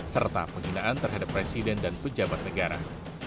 serta penghinaan terhadap presiden dan pejabat negara